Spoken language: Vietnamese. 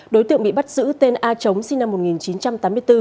đối tượng bị bắt giữ tên a trống sinh năm một nghìn chín trăm tám mươi bốn